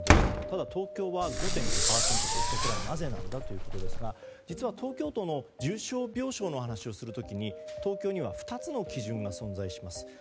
ただ、東京は５．５％と一体これはなぜなんだということですが実は、東京都の重症病床の話をする時に東京には２つの基準が存在します。